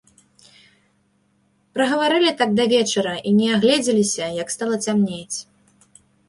Прагаварылі так да вечара і не агледзеліся, як стала цямнець.